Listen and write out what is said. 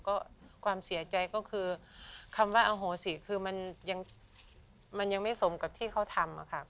ก็ความเสียใจก็คือคำว่าอโหสิคือมันยังมันยังไม่สมกับที่เขาทำค่ะ